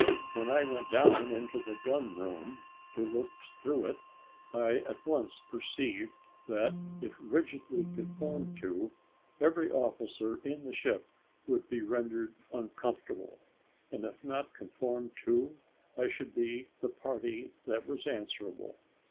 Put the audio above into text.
When I went down into the gun room, to look through it, I at once perceived that if rigidly conformed to, every officer in the ship would be rendered uncomfortable; and if not conformed to, I should be the party that was answerable.